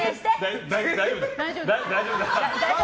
大丈夫だ！